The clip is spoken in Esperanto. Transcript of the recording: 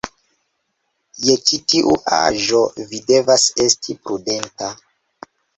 Je ĉi tiu aĝo, vi devas esti prudenta.